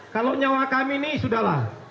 kalau nyawa kami ini sudah lah